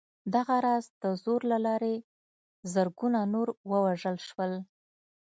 دغه راز د زور له لارې زرګونه نور ووژل شول